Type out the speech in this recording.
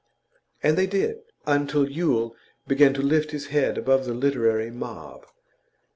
And they did, until Yule began to lift his head above the literary mob.